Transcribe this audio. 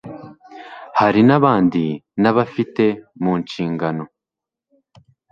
hari nabandi n'abafite mu nshingano.